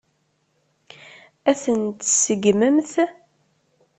Ad tent-tseggmemt?